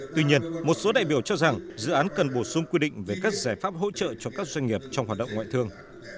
tuy nhiên một số đại biểu cho rằng dự án cần bổ sung quy định về các giải pháp hỗ trợ cho các doanh nghiệp trong hoạt động ngoại thương